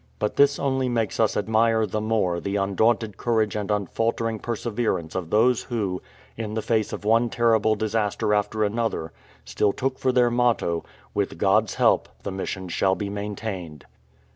But this only makes us admire the more the undaunted courage and unftiltering perseverance of those who, in the face of one terrible disaster after another, still took for their motto, "With God's help, the Mission shall be maintained.""